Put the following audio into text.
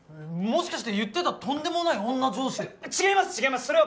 もしかして言ってたとんでもない女上司違います